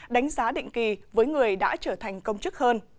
đánh giá định kỳ với người đã trở thành công chức hơn